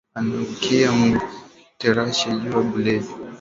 Anaangukiya mu terashe juya bulevi